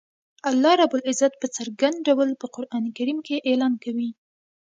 الله رب العزت په څرګند ډول په قران کریم کی اعلان کوی